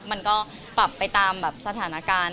มันก็ปรับไปตามสถานการณ์